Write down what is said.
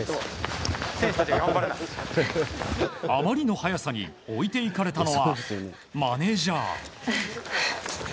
あまりの速さに置いていかれたのはマネジャー。